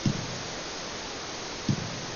يوازې مور ده چې مينه يې بې مطلبه ده.